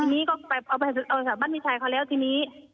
ทีนี้ก็ไปเอาไปเอาจากบ้านพี่ชายเขาแล้วทีนี้